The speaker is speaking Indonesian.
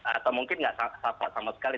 atau mungkin gak sahabat sama sekali